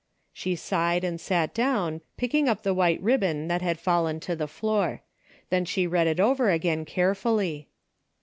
She sighed and sat down, picking up the white ribbon that had fallen to the floor. Then she read it over again carefully.